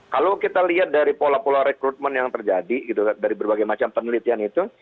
kalau kita lihat dari pola pola rekrutmen yang terjadi dari berbagai macam penelitian itu